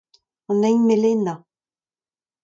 An hini melenañ.